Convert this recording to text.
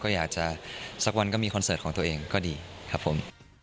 ก็อยากจะสักวันก็มีคอนเสิร์ตของตัวเองก็ดีครับผม